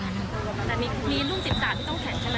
หมายถึงว่าถ้ากลับมาช้าหรืออะไรดี